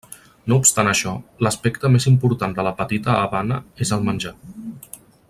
No obstant això, l'aspecte més important de la petita Havana és el menjar.